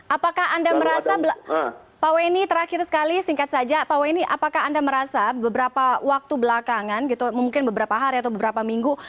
apakah anda merasa pak weni terakhir sekali singkat saja pak weni apakah anda merasa beberapa waktu belakangan gitu mungkin beberapa hari atau beberapa minggu